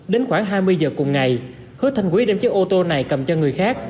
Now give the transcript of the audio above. đến khoảng hai mươi giờ cùng ngày hứa thanh quý đem chiếc ô tô này cầm cho người khác